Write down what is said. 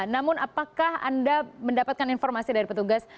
namun apakah anda mendapatkan informasi dari petugas